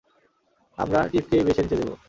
আমরা টিফকেই বেছে নিতে দেব।